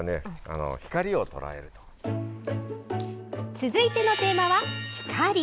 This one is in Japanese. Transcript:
続いてのテーマは、光。